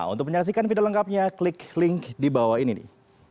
untuk menyaksikan video lengkapnya klik link di bawah ini nih